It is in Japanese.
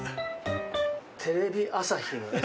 テレビ朝日？